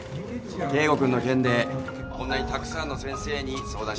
圭吾君の件でこんなにたくさんの先生に相談してたんですね。